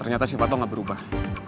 ternyata sifat kamu tidak berubah